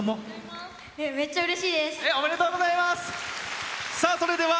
めっちゃうれしいです！